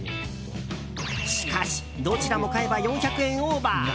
しかし、どちらも買えば４００円オーバー。